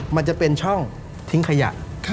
มันจะเป็นช่องทิ้งขยะ